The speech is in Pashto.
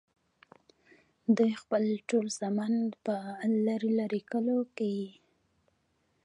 دوي خپل ټول زامن پۀ لرې لرې کلو کښې